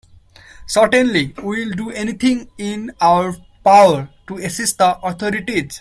Certainly, we’ll do anything in our power to assist the authorities.